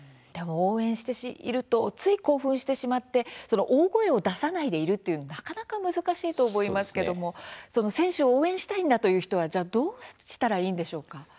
応援しているとつい興奮してしまって大声を出さないでいるというのもなかなか難しいと思いますが選手を応援したい人はどうすればいいでしょうか。